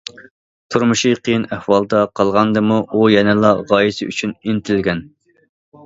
تۇرمۇشى قىيىن ئەھۋالدا قالغاندىمۇ ئۇ يەنىلا غايىسى ئۈچۈن ئىنتىلگەن.